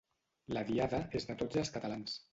La diada és de tots els catalans.